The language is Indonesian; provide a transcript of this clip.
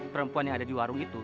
perempuan yang ada di warung itu